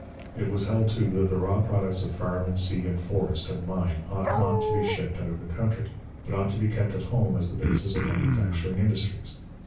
It was held, too, that the raw products of farm and sea and forest and mine ought not to be shipped out of the country, but ought to be kept at home as the basis of manufacturing industries.